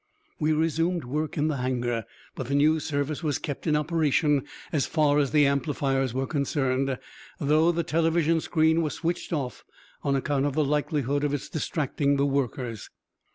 We resumed work in the hangar, but the news service was kept in operation as far as the amplifiers were concerned, though the television screen was switched off on account of the likelihood of its distracting the workers.